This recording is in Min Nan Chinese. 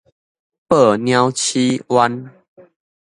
報鳥鼠冤